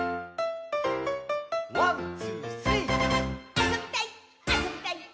あそびたいっ！」